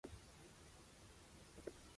por sentimientos como el estrés